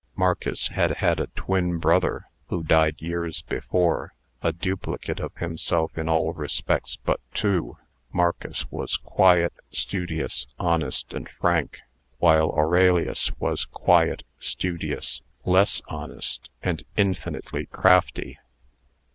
Marcus had had a twin brother (who died years before), a duplicate of himself in all respects but two. Marcus was quiet, studious, honest, and frank; while Aurelius was quiet, studious, less honest, and infinitely crafty.